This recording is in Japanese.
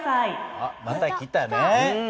あっまた来たね。